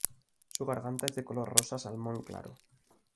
Su garganta es de color rosa salmón claro.